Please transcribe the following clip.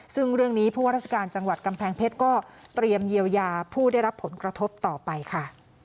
ซึ่งเรื่องนี้ผู้ว่าราชการจังหวัดกำแพงเพชรก็เตรียมเยียวยาผู้ได้รับผลกระทบต่อไปค่ะ